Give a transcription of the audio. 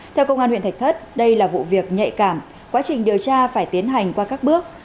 theo công an huyện thạch thất đây là vụ việc nhạy cảm quá trình điều tra phải tiến hành qua các bước